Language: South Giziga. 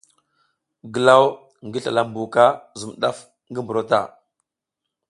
Glaw ngi slala mbuka zum daf ngi buro ta.